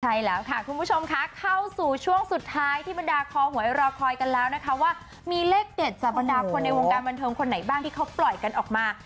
ใช่แล้วค่ะคุณผู้ชมค่ะเข้าสู่ช่วงสุดท้ายที่บรรดาคอหวยรอคอยกันแล้วนะคะว่ามีเลขเด็ดจากบรรดาคนในวงการบันเทิงคนไหนบ้างที่เขาปล่อยกันออกมา